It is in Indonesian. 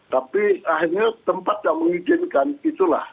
tapi akhirnya tempat yang mengizinkan itulah